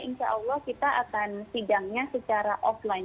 insya allah kita akan sidangnya secara offline